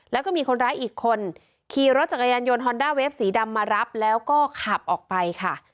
แล้วก็มีคนร้ายอีกคนขี่รถจักรยานยนต์ฮอนด้าเวฟสีดำมารับแล้วก็ขับออกไปค่ะ